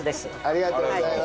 ありがとうございます。